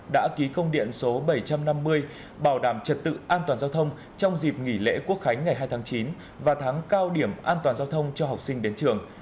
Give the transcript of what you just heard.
đã ký công điện số bảy trăm năm mươi bảo đảm trật tự an toàn giao thông trong dịp nghỉ lễ quốc khánh ngày hai tháng chín và tháng cao điểm an toàn giao thông cho học sinh đến trường